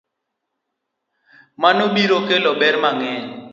Mano biro kelo ber mang'eny